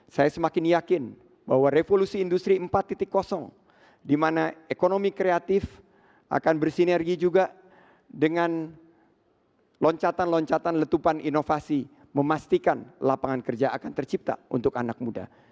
saya semakin yakin bahwa revolusi industri empat di mana ekonomi kreatif akan bersinergi juga dengan loncatan loncatan letupan inovasi memastikan lapangan kerja akan tercipta untuk anak muda